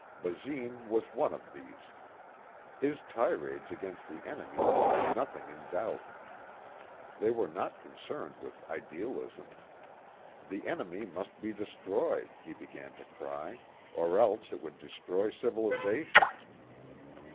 Basine was one of these. His tirades against the enemy left nothing in doubt. They were not concerned with idealisms. The enemy must be destroyed, he began to cry, or else it would destroy civilization.